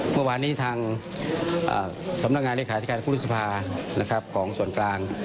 เมื่อวานนี้ทางสำนักงานเลขาธิการคู่สภาของส่วนกลาง